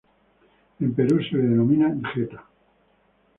En Perú se le denomina Jetta.